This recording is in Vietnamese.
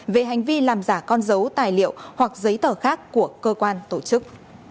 về hành vi làm giả con dấu tài liệu hoặc giấy tờ khác của cơ quan tổ chức